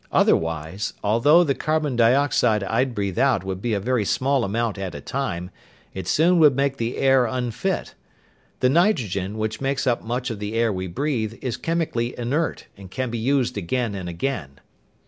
Otherwise, although the carbon dioxide I'd breathe out would be a very small amount at a time, it soon would make the air unfit. The nitrogen, which makes up much of the air we breathe, is chemically inert and can be used again and again."